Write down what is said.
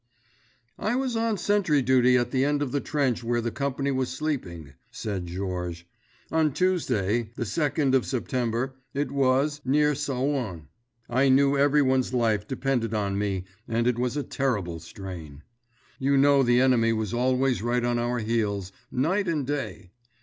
"I was on sentry duty at the end of the trench where the company was sleeping," said Georges. "On Tuesday, the 2nd of September it was, near Souain. I knew everyone's life depended on me, and it was a terrible strain. You know the enemy was always right on our heels, night and day.